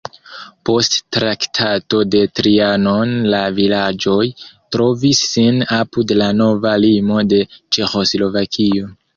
Post Traktato de Trianon la vilaĝoj trovis sin apud la nova limo de Ĉeĥoslovakio.